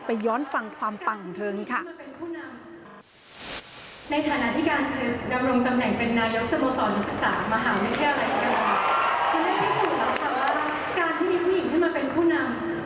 ย้อนฟังความปังของเธอนี้ค่ะ